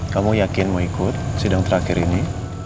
kamu yakin mau ikut sidang terakhir ini